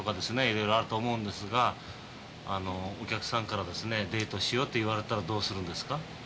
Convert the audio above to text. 色々あると思うんですがお客さんからデートしようって言われたらどうするんですか？